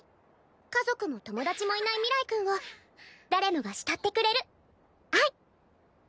家族も友達もいない明日君を誰もが慕ってくれる愛！